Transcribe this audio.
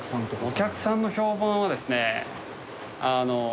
お客さんの評判はですね。